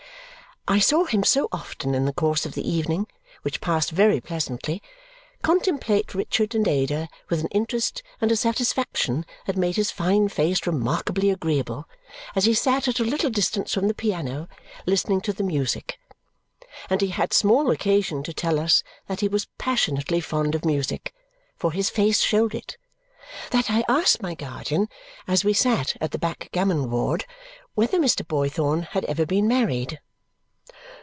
I saw him so often in the course of the evening, which passed very pleasantly, contemplate Richard and Ada with an interest and a satisfaction that made his fine face remarkably agreeable as he sat at a little distance from the piano listening to the music and he had small occasion to tell us that he was passionately fond of music, for his face showed it that I asked my guardian as we sat at the backgammon board whether Mr. Boythorn had ever been married.